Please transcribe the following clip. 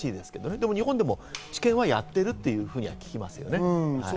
でも日本でも治験はやってると聞きますね。